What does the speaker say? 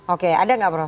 oke ada nggak prof